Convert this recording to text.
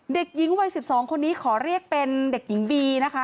เด็กหญิงวัย๑๒คนนี้ขอเรียกเป็นเด็กหญิงบีนะคะ